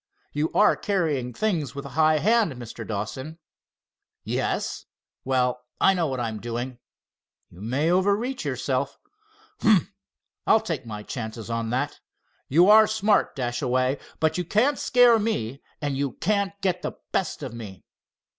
"You are carrying things with a high hand, Mr. Dawson." "Yes? Well, I know what I am doing." "You may overreach yourself." "Humph! I'll take my chances on that. You are smart, Dashaway, but you can't scare me and you can't get the best of me."